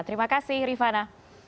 terima kasih rifana